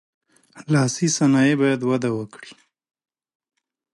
لاسي صنایع باید وده وکړي.